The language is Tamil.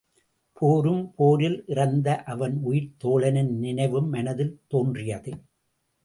போரும் போரில் இறந்த அவன் உயிர்த் தோழனின் நினைவும் மனதில் தோன்றியது.